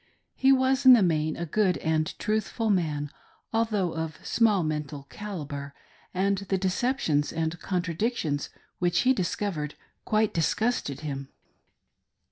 He was in the main a good and truthful man, although of small mental calibre, and the deceptions and contradictions which he discovered quite dis gusted him.